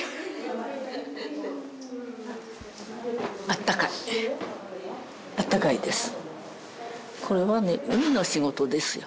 あったかいです。